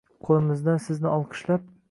Qoʼlimizdan sizni olqishlab